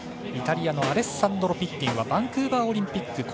イタリアのアレッサンドロ・ピッティンはバンクーバーオリンピック